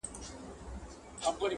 زاړه معبدونه مشهور سیاحتي ځایونه دي